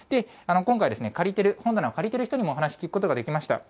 今回、借りてる、本棚を借りてる人にもお話聞くことができました。